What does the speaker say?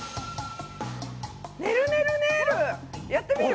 ねるねるねる！